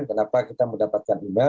kenapa kita mendapatkan email